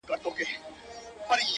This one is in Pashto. زه خو پاچا نه؛ خپلو خلگو پر سر ووهلم؛